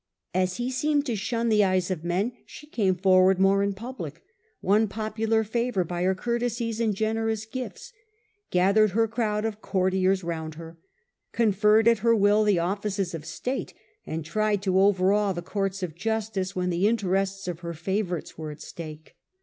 As he seemed to shun the eyes of men she came forward more in public, won popular favour by her courtesies and generous gifts, gathered her crowd of cour tiers round her, conferred at her will the offices of state, and tried to overawe the courts of justice when the interests of her favourites were at stake.